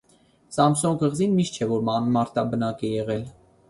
Սամսոն կղզին միշտ չէ որ անմարդաբնակ է եղել։